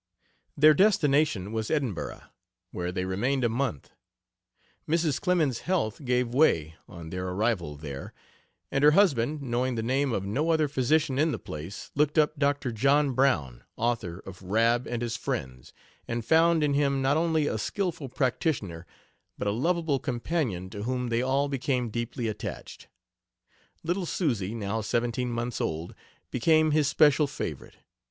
Their destination was Edinburgh, where they remained a month. Mrs. Clemens's health gave way on their arrival there, and her husband, knowing the name of no other physician in the place, looked up Dr. John Brown, author of Rab and His Friends, and found in him not only a skilful practitioner, but a lovable companion, to whom they all became deeply attached. Little Susy, now seventeen months old, became his special favorite.